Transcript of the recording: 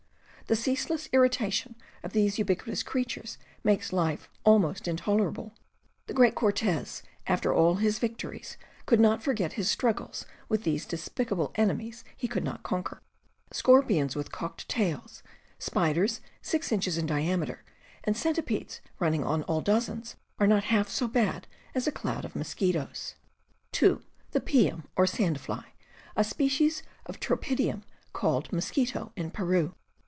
... The ceaseless irritation of these ubiquitous creatures makes life almost intolerable. The great Cortez, after all his victories, could not forget his struggles with these despicable enemies he could not conquer. Scorpions with cocked tails, spiders six inches in diameter, and centipedes running on all dozens, are not haK so bad as a cloud of mosquitoes. ... (2) The pium, or sand fly, a species of tromhidium called mosquito in Peru.